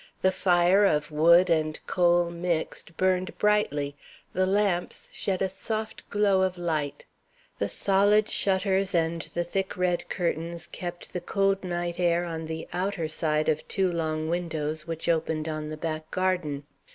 The fire of wood and coal mixed burned brightly; the lamps shed a soft glow of light; the solid shutters and the thick red curtains kept the cold night air on the outer side of two long windows, which opened on the back garden.